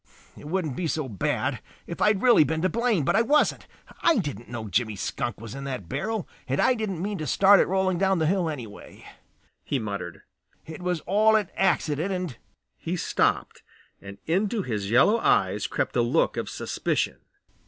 "It wouldn't be so bad if I had really been to blame, but I wasn't. I didn't know Jimmy Skunk was in that barrel and I didn't mean to start it rolling down the hill anyway," he muttered. "It was all an accident and " He stopped and into his yellow eyes crept a look of suspicion.